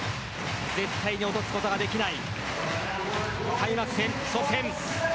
絶対に落とすことができない開幕戦、初戦。